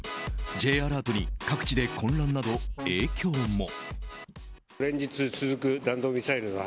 Ｊアラートに各地で混乱など影響も。